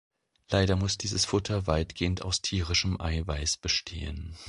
Leider muss dieses Futter weitgehend aus tierischem Eiweiß bestehen.